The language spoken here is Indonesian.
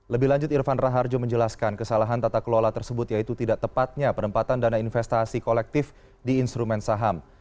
lebih lanjut irfan raharjo menjelaskan kesalahan tata kelola tersebut yaitu tidak tepatnya penempatan dana investasi kolektif di instrumen saham